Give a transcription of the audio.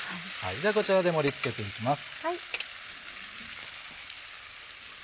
ではこちらで盛り付けていきます。